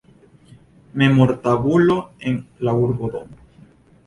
Memortabulo en la urbodomo.